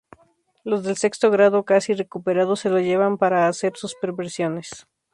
Los del sexto grado casi recuperados, se lo llevan para hacer sus perversiones.